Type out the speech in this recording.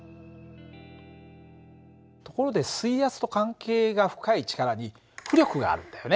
ところで水圧と関係が深い力に浮力があるんだよね。